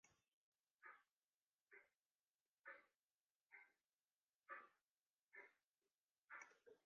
De tinte en de dingen dy't se brûke moatte, lizze wer op de karre.